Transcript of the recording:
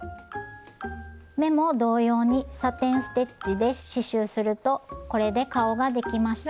目も同様にサテン・ステッチで刺しゅうするとこれで顔ができました。